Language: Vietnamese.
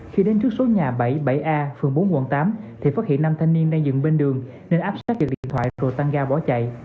khi đến trước số nhà bảy a phường bốn quận tám thì phát hiện năm thanh niên đang dựng bên đường nên áp sát giật điện thoại rồi tăng ga bỏ chạy